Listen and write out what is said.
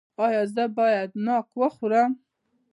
ایا زه باید ناک وخورم؟